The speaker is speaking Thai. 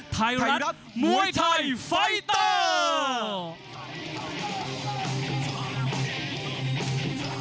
ไทยรัฐมวยไทยไฟเตอร์